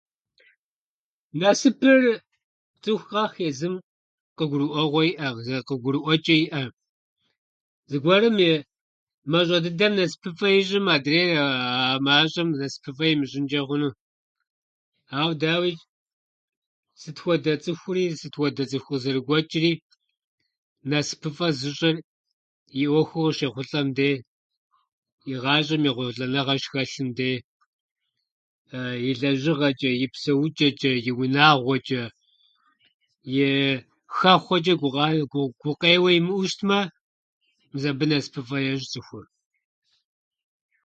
Насыпыр, цӏыху къэс езым къыгурыӏуэгъуэ иӏэ къызэ- къыгурыӏуэчӏэ иӏэ. Зэгуэрым и мащӏэ дыдэм насыпыфӏэ ищӏым адрейр аа мащӏэм насыпыфӏэ имыщӏынчӏэ хъуну. Ауэ дауичӏ, сытхуэдэ цӏыхури, сытхуэдэ цӏыху къызэрыгуэчӏри насыпыфӏэ зыщӏыр и ӏуэхур къыщехъулӏэм дей, и гъащӏэм ехъулӏэныгъэ щыхэлъым дей, и лэжьыгъэчӏэ и псэучӏэчӏэ, и унагъуэчӏэ ии хэхъуэчӏэ гугъа- гу- гукъеуэ имыӏу щытмэ, мис абы насыпыфӏэ ещӏ цӏыхур